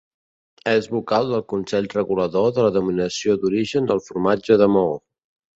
És vocal del consell regulador de la Denominació d'origen del formatge de Maó.